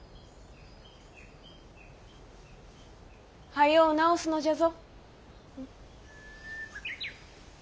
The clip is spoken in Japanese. はよう治すのじゃぞ。